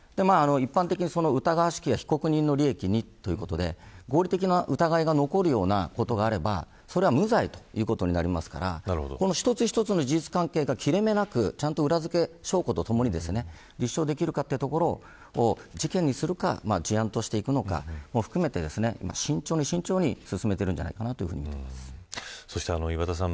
一般的にその疑わしきは被告人の利益にということで合理的な疑いが残ることがあればそれは無罪ということになりますから一つ一つの事実関係が切れ目なくちゃんと裏付け証拠とともに立証できるかというところを事件にするか事案としていくのかも含めて慎重に慎重に進めているんじゃないかなとそして岩田さん